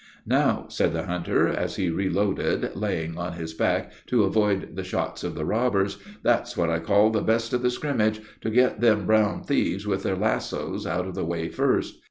"Now," said the hunter, as he reloaded, laying on his back to avoid the shots of the robbers, "that's what I call the best of the scrimmage, to get them brown thieves with their lassoes out of the way first.